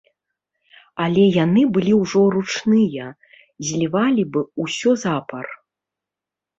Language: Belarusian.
Але яны былі ўжо ручныя, злівалі б усё запар.